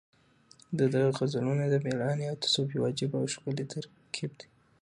د ده غزلونه د مېړانې او تصوف یو عجیبه او ښکلی ترکیب دی.